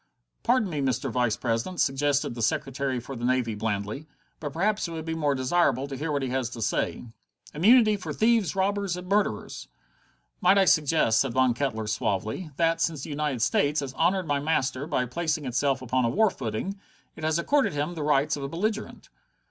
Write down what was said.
"Pardon me, Mr. Vice president," suggested the Secretary for the Navy blandly, "but perhaps it would be more desirable to hear what he has to say." "Immunity for thieves, robbers, murderers!" "Might I suggest," said Von Kettler suavely, "that, since the United States has honored my master by placing itself upon a war footing, it has accorded him the rights of a belligerent?"